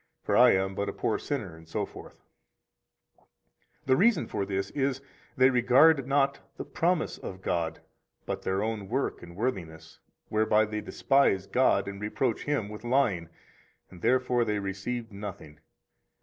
For I am but a poor sinner, etc. 122 The reason for this is, they regard not the promise of God, but their own work and worthiness, whereby they despise God and reproach Him with lying, and therefore they receive nothing.